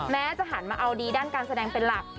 แม้จะหันมาเอาดีด้านการแสดงเป็นหลัก